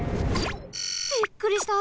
びっくりした。